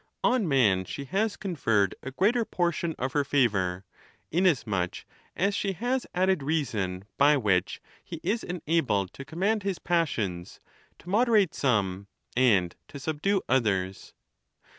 On man she lias conferred a greater portion of her favor; inasmuch as she has added reason, by which he is enabled to conmiand his passions, to moderate some, and to subdue others.